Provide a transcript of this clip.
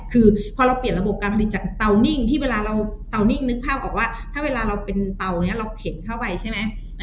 คือพอเราเปลี่ยนระบบการผลิตจากเตานิ่งที่เวลาเราเตานิ่งนึกภาพออกว่าถ้าเวลาเราเป็นเตาเนี่ยเราเข็นเข้าไปใช่ไหม